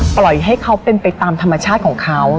ปล่อยให้เขาเป็นไปตามธรรมชาติของเขา